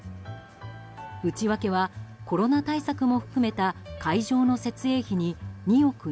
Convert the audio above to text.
内訳は、コロナ対策も含めた会場の設営費に２億１０００万円